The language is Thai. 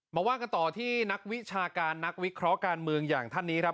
มาว่ากันต่อที่นักวิชาการนักวิเคราะห์การเมืองอย่างท่านนี้ครับ